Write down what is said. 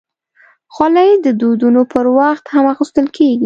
خولۍ د ودونو پر وخت هم اغوستل کېږي.